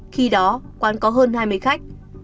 khi đó quán có hơn hai mươi khách